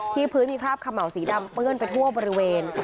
ที่พื้นมีภาพคาเมาสีดำเปื้ิ้นไปทั่วบริเวณ